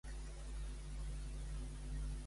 Qui ha representat el partit d'Esquerra Republicana?